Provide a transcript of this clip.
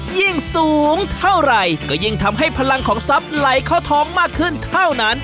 ยิ่งสูงเท่าไหร่ก็ยิ่งทำให้พลังของทรัพย์ไหลเข้าท้องมากขึ้นเท่านั้น